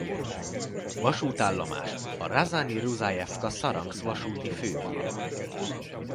Vasútállomás a Rjazany–Ruzajevka–Szaranszk vasúti fővonalon.